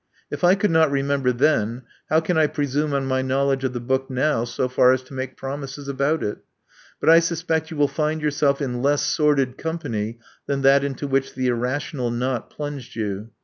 If I could not renjem ber then, how can I presume on my knowledge of the book now so far as to make promises about it? But I suspect you will find yourself in less sordid company than that into which The Irrational Knot plunged you.